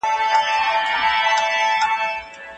که هلک نه وای خندلي، انا به نه وای قهر شوې.